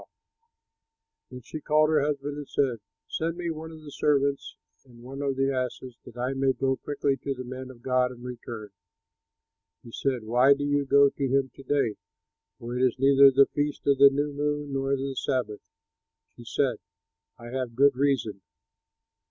Taylor] Then she called her husband and said, "Send me one of the servants and one of the asses, that I may go quickly to the man of God and return." He said, "Why do you go to him to day, for it is neither the feast of the new moon nor the sabbath?" She said, "I have good reason."